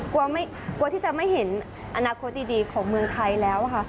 กลัวที่จะไม่เห็นอนาคตดีของเมืองไทยแล้วค่ะ